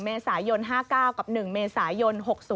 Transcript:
เมษายน๕๙กับ๑เมษายน๖๐